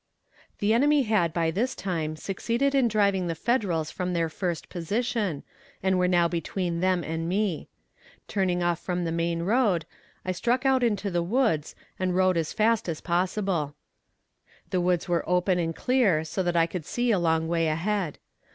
The enemy had by this time succeeded in driving the Federals from their first position, and were now between them and me. Turning off from the main road, I struck out into the woods and rode as fast as possible. The woods were open and clear so that I could see a long way ahead.